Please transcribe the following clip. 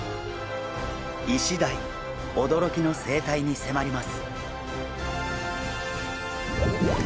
イシダイおどろきの生態にせまります！